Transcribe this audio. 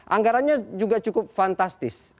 anggarannya juga cukup fantastis